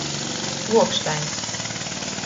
Pluokštaiņs.